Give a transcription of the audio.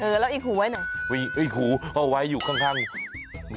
เออแล้วอีกหูไว้หน่อยไว้อีกหูเอาไว้อยู่ข้าง